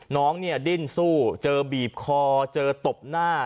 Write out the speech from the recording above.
น้องเนี่ยดิ้นสู้เจอบีบคอเจอตบหน้า